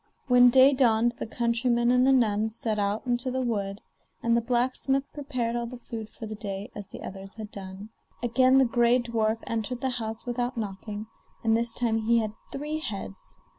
When day dawned the countryman and the nun set out into the wood, and the blacksmith prepared all the food for the day as the others had done. Again the gray dwarf entered the house without knocking, and this time he had three heads.